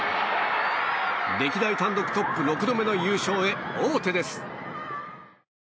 歴代単独トップ６度目の優勝へ王手です！